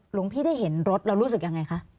หลวงพี่ได้เห็นรถเรารู้สึกอย่างไรคะ